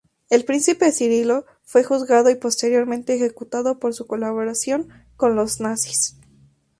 El príncipe Cirilo fue juzgado y posteriormente ejecutado por su colaboración con los nazis.